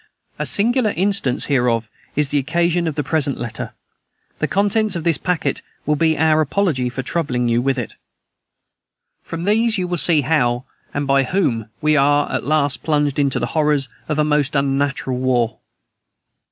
A singular instance hereof is the occasion of the present letter. The contents of this packet will be our apology for troubling you with it. "From these you will see how, and by whom, we are at last plunged into the horrors of a most unnatural war.